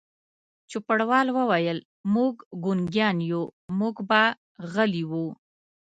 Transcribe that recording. چوپړوال وویل: موږ ګونګیان یو، موږ به غلي وو.